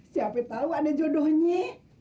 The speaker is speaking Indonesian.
siapa tau ada jodohnya